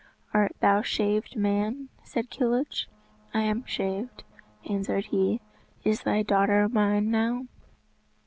"Art thou shaved man?" said Kilhuch. "I am shaved," answered he. "Is thy daughter mine now?"